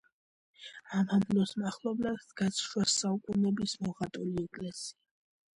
ამამლოს მახლობლად დგას შუა საუკუნეების მოხატული ეკლესია.